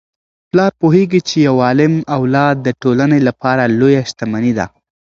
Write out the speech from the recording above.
پلار پوهیږي چي یو عالم اولاد د ټولنې لپاره لویه شتمني ده.